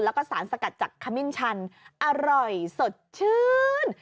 แล้วก็สารสกัดจากขมิ้นชันอร่อยสดชื่น